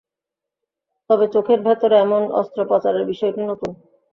তবে চোখের ভেতরে এমন অস্ত্রোপচারের বিষয়টি নতুন।